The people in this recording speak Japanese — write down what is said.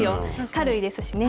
軽いですしね。